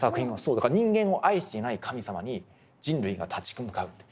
だから人間を愛していない神様に人類が立ち向かうという。